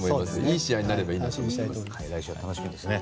いい試合になればいいですね。